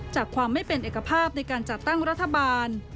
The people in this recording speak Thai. จากความไม่เป็นเอกภาพในการจัดตั้งรัฐบาล